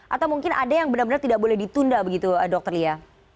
atau mungkin ada yang benar benar tidak boleh ditunda begitu dokter lia